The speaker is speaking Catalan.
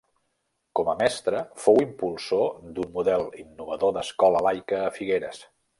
Com a mestre, fou impulsor d’un model innovador d’escola laica a Figueres.